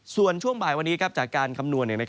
ส่วนช่วงบ่ายวันนี้จากการคำนวณ